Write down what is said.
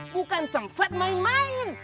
bukan tempat main main